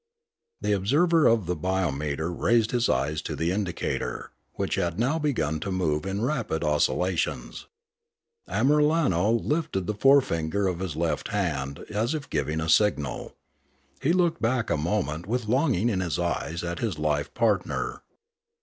The observer of the biometer raised his eyes to the indicator, which had now begun to move in rapid oscil lations. Amiralno lifted the forefinger of his left hand as if giving a signal. He looked back a moment with longing in his eyes at his life partner.